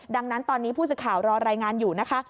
ดังนั้นตอนนี้ผู้สื่อข่าวรอรายงานอยู่นะคะ